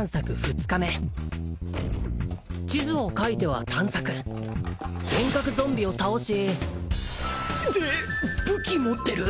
２日目地図を描いては探索幻覚ゾンビを倒しって武器持ってる！？